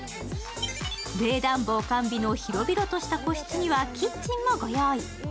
冷暖房完備の広々とした個室にはキッチンもご用意。